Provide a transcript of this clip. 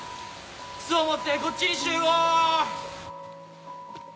靴を持ってこっちに集合！